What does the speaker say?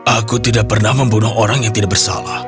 aku tidak pernah membunuh orang yang tidak bersalah